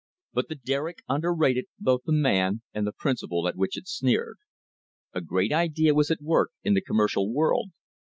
But the Derrick underrated both the man and the principle at which it sneered. A great idea was at work in the commercial world.